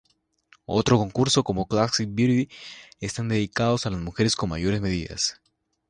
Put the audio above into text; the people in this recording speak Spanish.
Otros concursos, como Classic Beauty, están dedicados a las mujeres con mayores medidas.